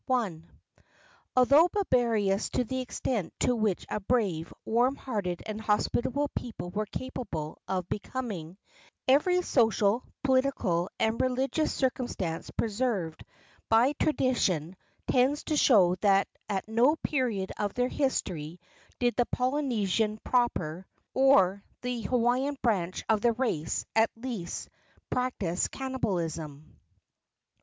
I. Although barbarous to the extent to which a brave, warm hearted and hospitable people were capable of becoming, every social, political and religious circumstance preserved by tradition tends to show that at no period of their history did the Polynesians proper or the Hawaiian branch of the race, at least practise cannibalism.